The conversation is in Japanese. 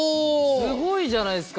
すごいじゃないですか。